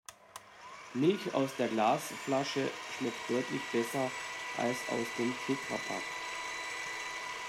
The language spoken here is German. Milch aus der Glasflasche schmeckt deutlich besser als aus dem Tetrapack.